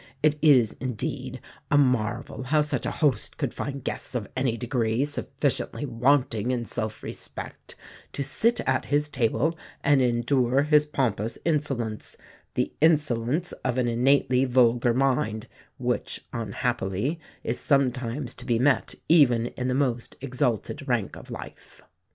It is, indeed, a marvel how such a host could find guests of any degree sufficiently wanting in self respect to sit at his table and endure his pompous insolence the insolence of an innately vulgar mind, which, unhappily, is sometimes to be met even in the most exalted rank of life."